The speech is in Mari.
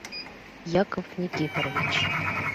— Яков Никифорович!